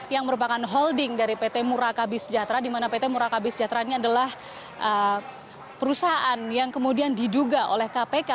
yang merupakan holding dari pt murakabi sejahtera di mana pt murakabi sejahtera ini adalah perusahaan yang kemudian diduga oleh kpk